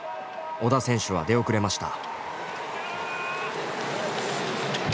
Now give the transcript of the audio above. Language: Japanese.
織田選手は出遅れました。